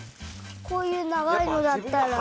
こういうながいのだったら。